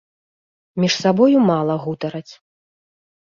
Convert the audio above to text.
Між сабою мала гутараць.